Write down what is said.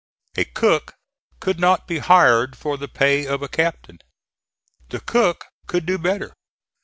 A cook could not be hired for the pay of a captain. The cook could do better.